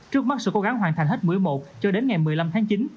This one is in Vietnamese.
trước mắt sẽ cố gắng hoàn thành hết mũi một cho đến ngày một mươi năm tháng chín